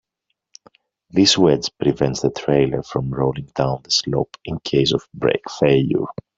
This wedge prevents the trailer from rolling down the slope in case of brake failure.